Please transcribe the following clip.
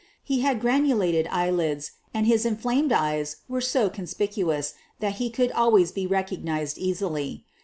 He had granulated eyelids, and his inflamed eyes were so conspicuous that he could always be recog nized easily.